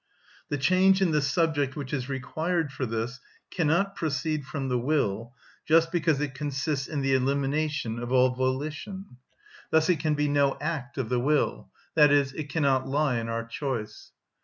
The change in the subject which is required for this cannot proceed from the will, just because it consists in the elimination of all volition; thus it can be no act of the will, i.e., it cannot lie in our choice.